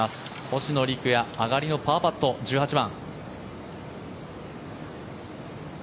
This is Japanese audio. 星野陸也上がりのパーパット、１８番。